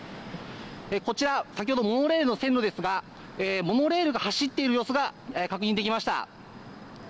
こちら先ほどモノレールの線路ですがモノレールが走っている様子が確認できました。